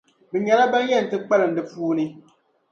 Bɛ nyɛla ban yɛn ti kpalim di puuni.